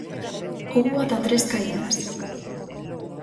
Houbo ata tres caídas.